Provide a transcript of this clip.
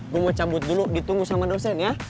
gue mau cabut dulu ditunggu sama dosen ya